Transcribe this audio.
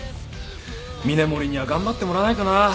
峰森には頑張ってもらわないとな。